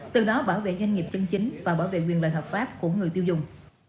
từ đó bảo vệ doanh nghiệp chân chính và bảo vệ quyền lợi hợp pháp của người tiêu dùng